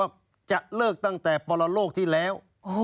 ว่าจะเลิกตั้งแต่ปรโลกที่แล้ว